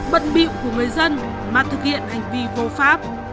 bận biệu của người dân mà thực hiện hành vi vô pháp